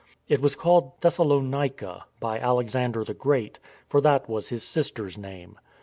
It was called Thessalonica by Alex ander the Great, for that was his sister's name.